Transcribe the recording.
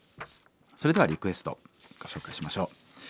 それではリクエストご紹介しましょう。